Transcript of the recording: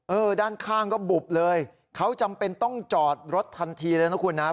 ด้านข้างก็บุบเลยเขาจำเป็นต้องจอดรถทันทีเลยนะคุณนะ